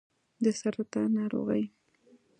د سرطان ناروغي